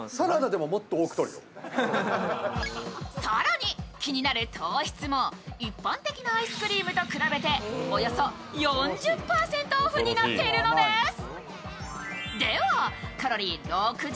更に、気になる糖質も一般的なアイスクリームと比べておよそ４０％オフになっているのです。